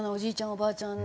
おばあちゃんね